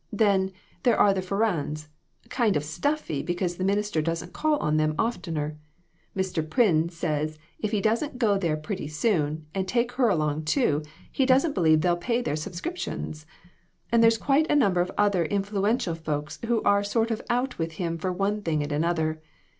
Then, there are the Ferrands, kind of stuffy because the minister doesn't call on them oftener. Mr. Pryn says if he doesn't go there pretty soon, and take her along too, he doesn't believe they'll pay their subscriptions. And there's quite a number of other influential folks who are sort of out with him for one thing and another.